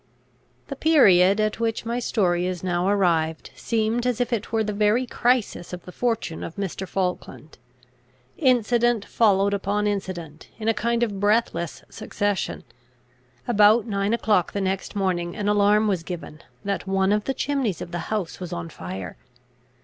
The period at which my story is now arrived seemed as if it were the very crisis of the fortune of Mr. Falkland. Incident followed upon incident, in a kind of breathless succession. About nine o'clock the next morning an alarm was given, that one of the chimneys of the house was on fire.